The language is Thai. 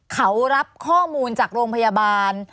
เขารับข้อมูลจากโรงพยาบาล